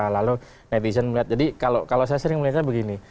lalu netizen melihat jadi kalau saya sering melihatnya begini